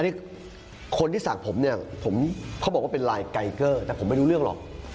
นี่คนที่ศักดิ์ผมเนี่ยผมเขาบอกว่าเป็นลายไกเกอร์แต่ผมไม่รู้เรื่องหรอก